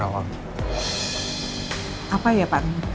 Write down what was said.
apa ya pak remon